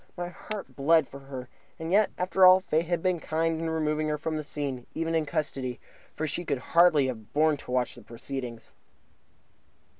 My heart bled for her. And yet, after all, Fate had been kind in removing her from the scene, even in custody, for she could hardly have borne to watch the proceedings.